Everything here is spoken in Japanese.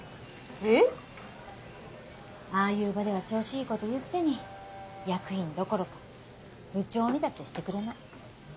えっ？ああいう場では調子いいこと言うくせに役員どころか部長にだってしてくれない。